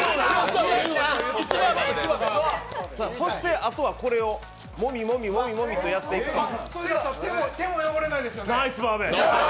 そしてあとはこれをモミモミモミモミとやっていきます。